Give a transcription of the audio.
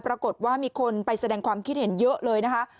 ปรากฏว่ามีคนไปแสดงความคิดเห็นเยอะเลยนะคะ